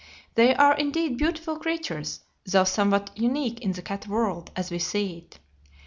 They are, indeed, beautiful creatures, though somewhat unique in the cat world, as we see it.